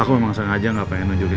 aku tidak punya apa apa lagi